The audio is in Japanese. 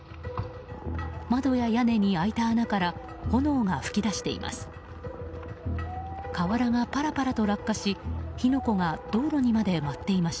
窓や屋根に開いた穴から炎が噴き出しています。